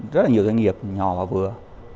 rất là nhiều doanh nghiệp nhỏ và vừa